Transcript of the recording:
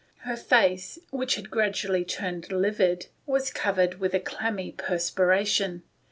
Her face, which had gradually turned livid, was covered with a clammy perspiration.